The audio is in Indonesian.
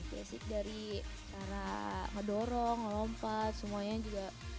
basic dari cara ngedorong melompat semuanya juga